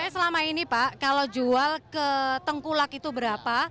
selama ini pak kalau jual ke tengkulak itu berapa